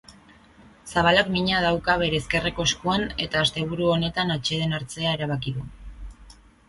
Zabalak mina dauka bere ezkerreko eskuan eta asteburu honetan atseden hartzea erabaki du.